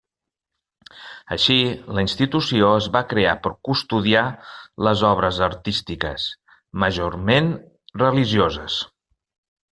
Així, la institució es va crear per custodiar les obres artístiques, majorment religioses.